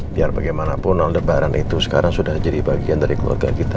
biar bagaimanapun lebaran itu sekarang sudah jadi bagian dari keluarga kita